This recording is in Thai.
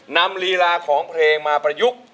ลีลาของเพลงมาประยุกต์